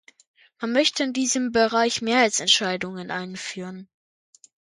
Man möchte in diesem Bereich Mehrheitsentscheidungen einführen.